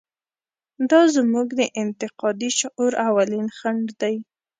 دا زموږ د انتقادي شعور اولین خنډ دی.